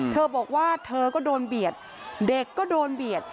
เธอบอกว่าเธอก็โดนเบียดเด็กก็โดนเบียด